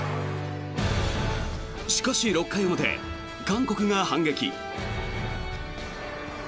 しかし、６回表韓国が反撃。